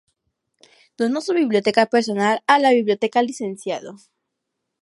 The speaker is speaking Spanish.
Donó su biblioteca personal a la biblioteca "Lic.